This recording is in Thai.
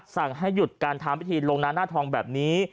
สั่งให้หยุดการทำพิธีลงหน้าทองแบบนี้